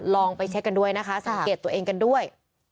ลองไปเช็คกันด้วยนะคะสังเกตตัวเองกันด้วย